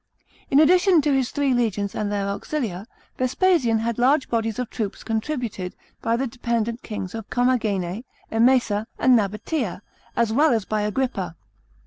In addition to his three legions and their auxilia, Vespasian had large bodies of troops contributed by the dependent kings of Commagene, Emesa, and Nabatea, as wtll as by Agrippa.